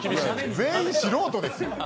全員、素人ですよ。